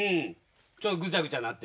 ちょっとぐちゃぐちゃなってて。